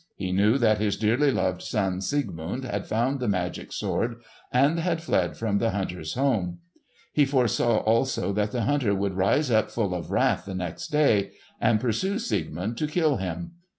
He knew that his dearly loved son Siegmund had found the magic sword, and had fled from the hunter's home. He foresaw also that the hunter would rise up full of wrath the next day, and pursue Siegmund to kill him.